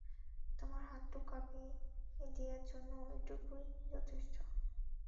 তোমার হাঁটু কাঁপিয়ে দেয়ার জন্য ওটুকুই যথেষ্ট।